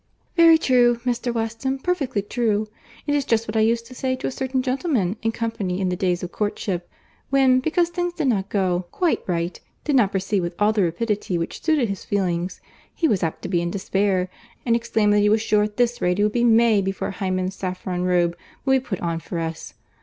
"Very true, Mr. Weston, perfectly true. It is just what I used to say to a certain gentleman in company in the days of courtship, when, because things did not go quite right, did not proceed with all the rapidity which suited his feelings, he was apt to be in despair, and exclaim that he was sure at this rate it would be May before Hymen's saffron robe would be put on for us.